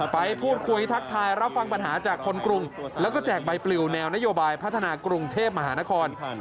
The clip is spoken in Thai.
ไปพูดคุยทักทายรับฟังปัญหาจากคนกรุงแล้วก็แจกใบปลิวแนวนโยบายพัฒนากรุงเทพมหานคร